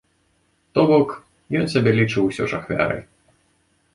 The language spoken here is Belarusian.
То бок, ён сябе лічыў усё ж ахвярай.